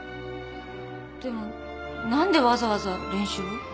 でも何でわざわざ練習を？